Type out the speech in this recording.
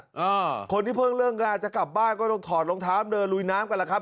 อ่าคนที่เพิ่งเลิกก็อาจจะกลับบ้านก็ต้องถอดรองเท้าเดินลุยน้ำกันแล้วครับ